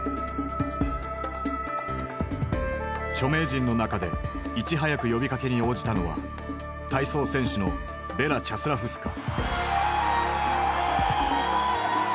著名人の中でいち早く呼びかけに応じたのは体操選手のベラ・チャスラフスカ。